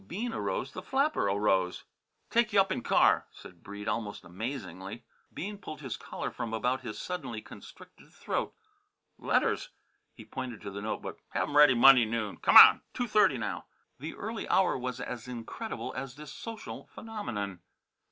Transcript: Bean arose. The flapper arose. "Take y' up in car," said Breede, most amazingly. Bean pulled his collar from about his suddenly constricted throat. "Letters!" He pointed to the note book. "Have 'em ready Monday noon. C'mon! Two thirty now." The early hour was as incredible as this social phenomenon.